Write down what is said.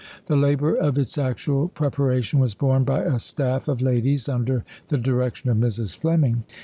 The labour of its actual preparation was borne by a staff of ladies under the direction of Mrs. Fleming.